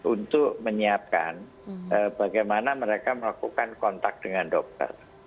untuk menyiapkan bagaimana mereka melakukan kontak dengan dokter